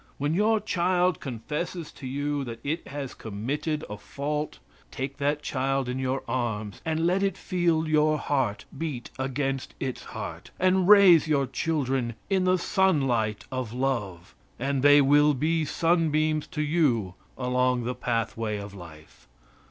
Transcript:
When your child confesses to you that it has committed a fault, take that child in your arms, and let it feel your heart beat against its heart, and raise your children in the sunlight of love, and they will be sunbeams to you along the pathway of life.